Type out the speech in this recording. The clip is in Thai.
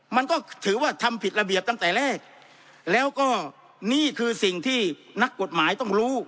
มันก็ถือว่าทำผิดระเบียบตั้งแต่แรกแล้วก็นี่คือสิ่งที่นักกฎหมายต้องรู้